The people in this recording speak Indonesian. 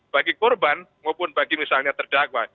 bagi korban maupun bagi misalnya terdakwa